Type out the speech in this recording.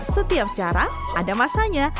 setiap cara ada masanya